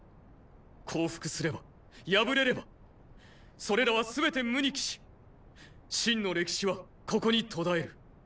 降伏すれば敗れればそれらは全て無に帰し秦の歴史はここに途絶える。